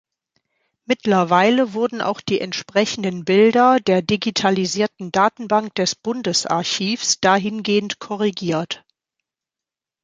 Mittlerweile wurden auch die entsprechenden Bilder der digitalisierten Datenbank des Bundesarchivs dahingehend korrigiert.